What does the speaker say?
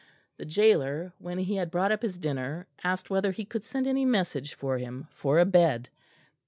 The gaoler, when he had brought up his dinner, asked whether he could send any message for him for a bed.